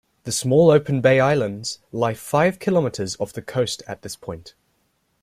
The small Open Bay Islands lie five kilometres off the coast at this point.